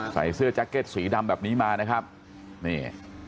ใส่เสื้อแจ็คเก็ตสีดำแบบนี้มานะครับนี่